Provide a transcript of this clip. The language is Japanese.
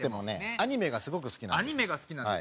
アニメが好きなんです。